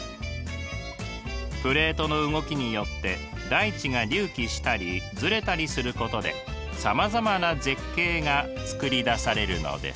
プレートの動きによって大地が隆起したりずれたりすることでさまざまな絶景がつくりだされるのです。